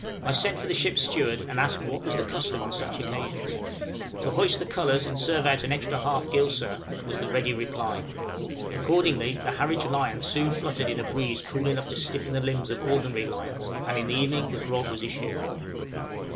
I sent for the ship's steward and asked what was the custom on such occasions? "To hoist the colors and serve out an extra half gill, sir," was the ready reply: accordingly, the Harwich lion soon fluttered in a breeze cool enough to stiffen the limbs of ordinary lions, and in the evening the grog was issued.